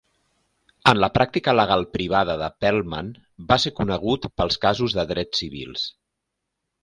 En la pràctica legal privada de Perlman, va ser conegut pels casos de drets civils.